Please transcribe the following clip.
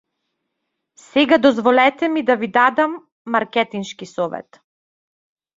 Сега дозволете ми да ви дадам маркетиншки совет.